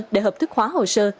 để hợp thức hóa hồ sơ